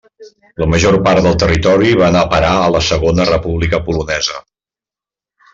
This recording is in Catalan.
La major part del territori va anar a parar a la Segona República Polonesa.